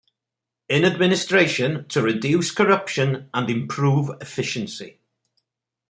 In administration to reduce corruption and improve efficiency.